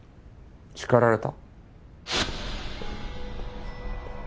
叱られた？